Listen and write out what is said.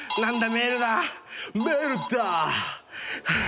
「メールだ」